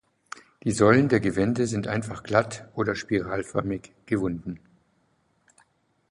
Die Säulen der Gewände sind einfach glatt oder spiralförmig gewunden.